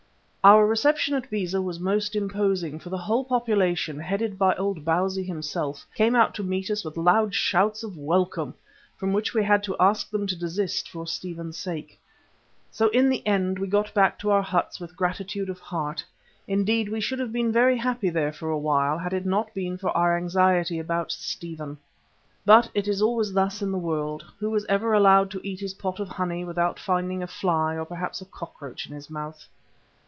Our reception at Beza was most imposing, for the whole population, headed by old Bausi himself, came out to meet us with loud shouts of welcome, from which we had to ask them to desist for Stephen's sake. So in the end we got back to our huts with gratitude of heart. Indeed, we should have been very happy there for a while, had it not been for our anxiety about Stephen. But it is always thus in the world; who was ever allowed to eat his pot of honey without finding a fly or perhaps a cockroach in his mouth?